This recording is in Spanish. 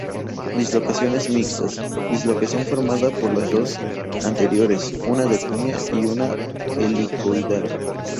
Dislocaciones mixtas: Dislocación formada por las dos anteriores, una de cuña y una helicoidal.